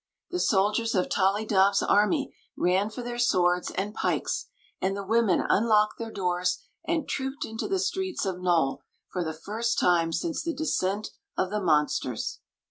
The sol diers of Tollydob's army ran for their swords and pikes, and the women unlocked their doors and trooped into the streets of Nole for the first time since the descent of the monsters.